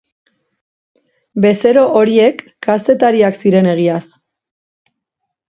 Bezero horiek kazetariak ziren egiaz.